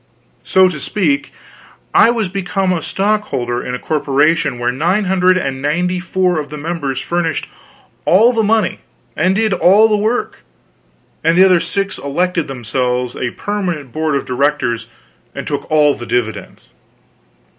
So to speak, I was become a stockholder in a corporation where nine hundred and ninety four of the members furnished all the money and did all the work, and the other six elected themselves a permanent board of direction and took all the dividends.